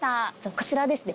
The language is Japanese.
こちらですね。